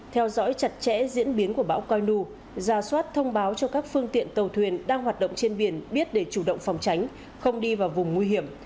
theo dõi chặt chẽ diễn biến của bão coi nu giả soát thông báo cho các phương tiện tàu thuyền đang hoạt động trên biển biết để chủ động phòng tránh không đi vào vùng nguy hiểm